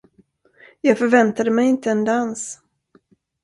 Jag förväntade mig inte en dans.